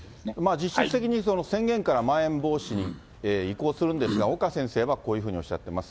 実質的に宣言からまん延防止に移行するんですが、岡先生はこういうふうにおっしゃってます。